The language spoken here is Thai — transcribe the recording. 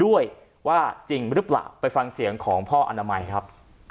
ด้วยว่าจริงหรือเปล่าไปฟังเสียงของพ่ออนามัยครับ